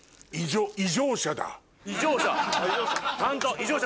異常者。